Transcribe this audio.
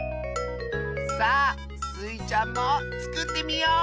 さあスイちゃんもつくってみよう！